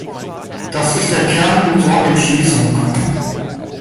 Das ist der Kern unserer Entschließung.